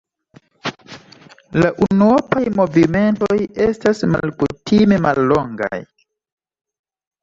La unuopaj movimentoj estas malkutime mallongaj.